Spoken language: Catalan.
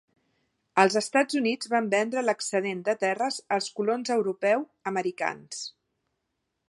Els Estats Units van vendre l'excedent de terres als colons europeu-americans.